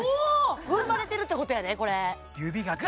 ふんばれてるってことやね